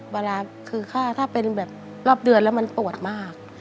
เวลาคือฆ่าถ้าเป็นแบบรอบเดือนแล้วมันปวดมาก